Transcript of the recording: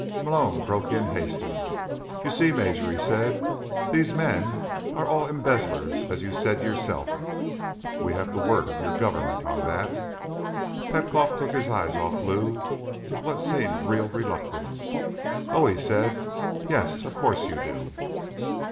Malone broke in hastily. "You see, Major," he said, "these men are all embezzlers, as you've said yourself. We have the word of your government on that." Petkoff took his eyes off Lou with what seemed real reluctance. "Oh," he said. "Yes. Of course you do."